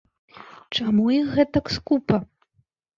Чаму іх гэтак скупа?